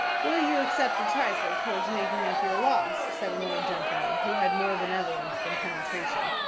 "Will you accept a trifle towards making up your loss?" said an old gentleman, who had more benevolence than penetration.